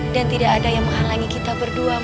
dan tidak ada yang menghalangi kita berdua mas